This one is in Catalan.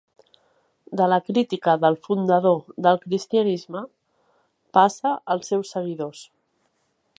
De la crítica del fundador del cristianisme, passa als seus seguidors.